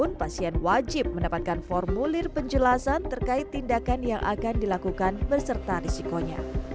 namun pasien wajib mendapatkan formulir penjelasan terkait tindakan yang akan dilakukan beserta risikonya